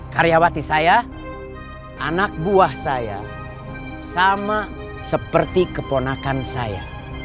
karyawati saya anak buah saya sama seperti keponakan saya